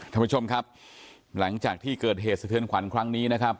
ท่านผู้ชมครับหลังจากที่เกิดเหตุสะเทือนขวัญครั้งนี้นะครับ